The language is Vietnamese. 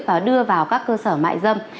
và đưa vào các cơ sở mại dâm